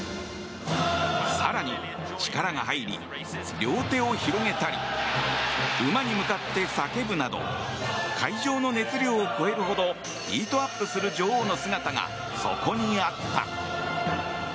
更に、力が入り両手を広げたり馬に向かって叫ぶなど会場の熱量を超えるほどヒートアップする女王の姿がそこにあった。